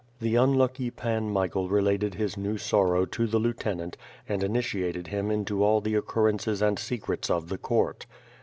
The unlucky Pan Michael related his new sorrow to the lieutenant and initiated him into all the occurrences and secrets of the court.